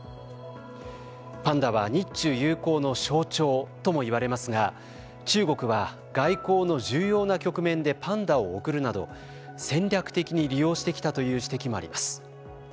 パンダは日中友好の象徴とも言われますが中国は、外交の重要な局面でパンダを贈るなど戦略的に利用してきたという指摘もあります。